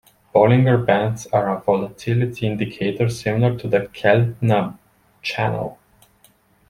Bollinger Bands are a volatility indicator similar to the Keltner channel.